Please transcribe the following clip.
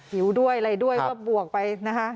หิวด้วยอะไรด้วยก็บวกไปนะคะ